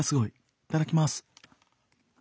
いただきます。